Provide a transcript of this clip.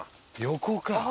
横か。